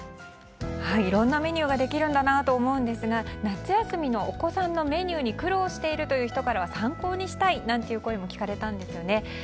いろんなメニューができるんだなと思いますが夏休みのお子さんのメニューに苦労しているという人からは参考にしたいという声も聞かれたんですよね。